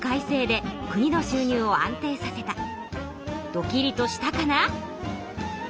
ドキリとしたかな？